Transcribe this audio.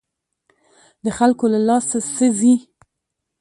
د خلکو له لاسه څه ځي.